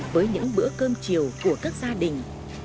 với những bữa cơm chiều của các gia đình